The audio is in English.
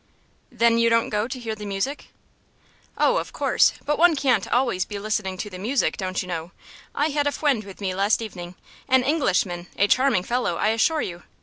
"Then you don't go to hear the music?" "Oh, of course, but one can't always be listening to the music, don't you know. I had a fwiend with me last evening an Englishman a charming fellow, I assure you.